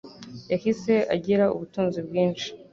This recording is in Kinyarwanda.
yahise agira ubutunzi bwinshi,